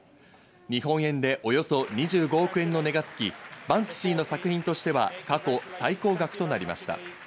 日本円でおよそ２５億円の値がつき、バンクシーの作品としては過去最高額となりました。